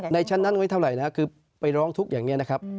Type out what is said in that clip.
ในชั้นนั้นไว้เท่าไหร่นะครับคือไปร้องทุกข์อย่างนี้นะครับ